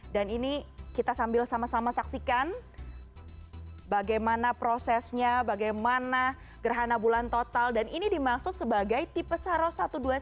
dan ini kita sambil sama sama saksikan bagaimana prosesnya bagaimana gerhana bulan total dan ini dimaksud sebagai tipe saros satu ratus dua puluh satu